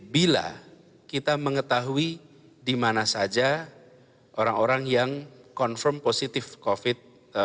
bila kita mengetahui di mana saja orang orang yang confirm positif covid sembilan belas